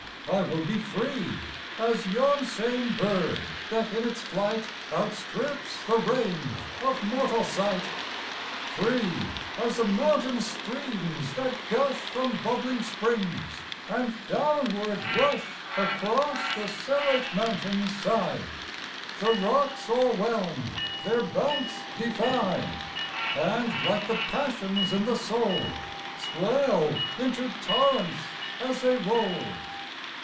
I would be free As yon same bird that in its flight Outstrips the range of mortal sight; Free as the mountain streams that gush From bubbling springs, and downward rush Across the serrate mountain's side, The rocks o'erwhelmed, their banks defied, And like the passions in the soul, Swell into torrents as they roll.